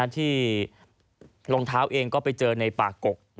รองเท้าเองก็ไปเจอในป่ากก